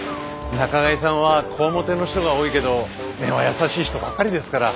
仲買さんはこわもての人が多いけど根は優しい人ばっかりですから。